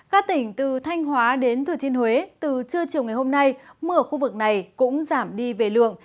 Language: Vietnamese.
các tỉnh từ thanh hóa đến thừa thiên huế từ trưa chiều ngày hôm nay mưa ở khu vực này cũng giảm đi về lượng